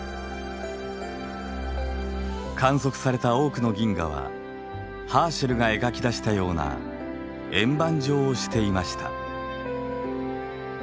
観測された多くの銀河はハーシェルが描き出したような円盤状をしていました。